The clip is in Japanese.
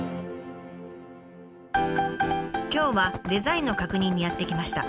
今日はデザインの確認にやって来ました。